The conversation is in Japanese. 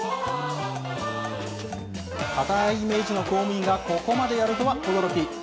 堅ーいイメージの公務員がここまでやるとは驚き。